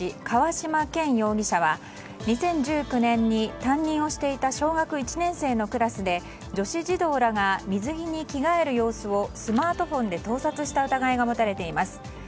河嶌健容疑者は２０１９年に担任をしていた小学１年生のクラスで女子児童らが水着に着替える様子をスマートフォンで盗撮した疑いが持たれています。